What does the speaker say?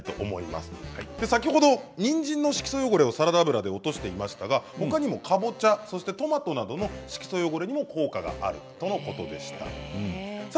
先ほど、にんじんの色素汚れをサラダ油で落としていましたがほかにも、かぼちゃやトマトなどの色素汚れにも効果があるとのことでした。